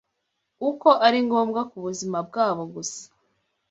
uko ari ngombwa ku buzima bwabo gusa